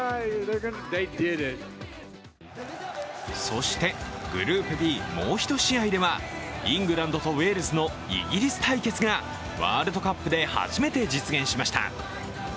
そしてグループＢもう一試合ではイングランドとウェールズのイギリス対決がワールドカップで初めて実現しました。